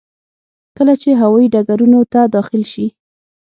کله چې هوايي ډګرونو ته داخل شي.